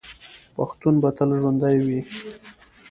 پښتون به تل ژوندی وي.